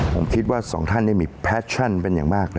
ผมคิดว่าสองท่านได้มีเผชั่น